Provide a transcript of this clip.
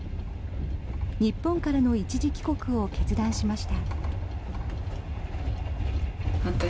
日本からの一時帰国を決断しました。